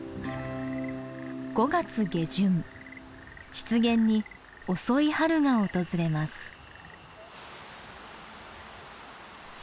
湿原に遅い春が訪れます。